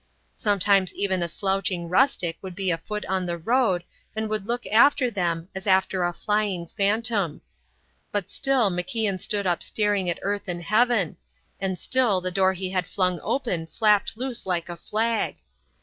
Sometimes even a slouching rustic would be afoot on the road and would look after them, as after a flying phantom. But still MacIan stood up staring at earth and heaven; and still the door he had flung open flapped loose like a flag.